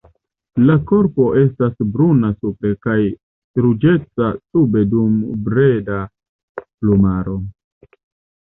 La korpo estas bruna supre kaj ruĝeca sube dum breda plumaro.